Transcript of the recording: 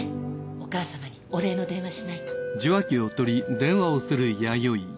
お義母様にお礼の電話しないと。